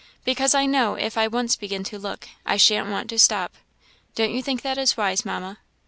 Because I know if I once begin to look, I shan't want to stop. Don't you think that is wise, Mamma?